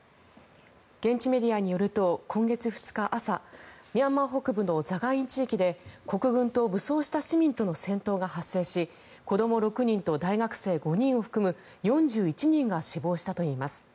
現地メディアによると今月２日朝ミャンマー北部のザガイン地域で国軍と武装した市民との戦闘が発生し子ども６人と大学生５人を含む４１人が死亡したといいます。